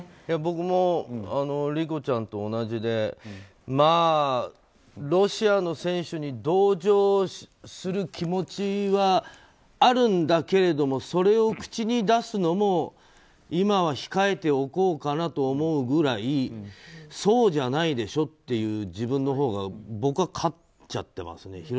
僕も理子ちゃんと同じでロシアの選手に同情する気持ちはあるんだけれどもそれを口に出すのも今は控えておこうかなと思うぐらいそうじゃないでしょっていう自分のほうが僕は勝っちゃってますね。